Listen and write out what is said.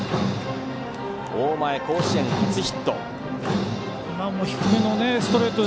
大前、甲子園初ヒット。